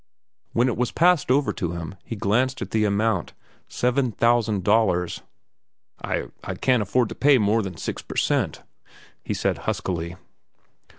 When it was passed over to him, he glanced at the amount seven thousand dollars. "I—I can't afford to pay more than six per cent," he said huskily.